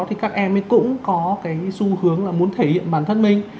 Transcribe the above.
thì các em ấy cũng có cái xu hướng là muốn thể hiện bản thân mình